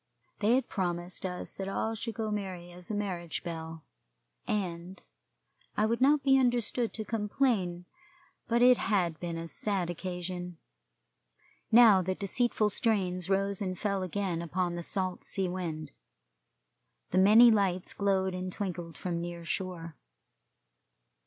They had promised us that all should go merry as a marriage bell, and I would not be understood to complain, but it had been a sad occasion. Now the deceitful strains rose and fell again upon the salt sea wind. The many lights glowed and twinkled from the near shore.